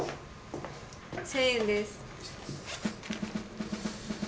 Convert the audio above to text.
１，０００円です。